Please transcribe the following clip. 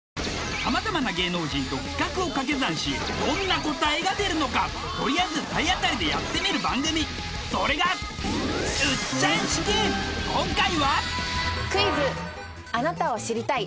さまざまな芸能人と企画をかけ算しどんな答えがでるのかとりあえず体当たりでやってみる番組それが今回はクイズあなたを知りたい